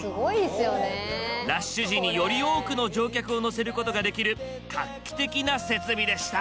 ラッシュ時により多くの乗客を乗せることができる画期的な設備でした。